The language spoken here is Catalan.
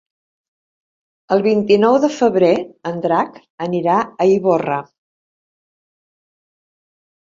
El vint-i-nou de febrer en Drac anirà a Ivorra.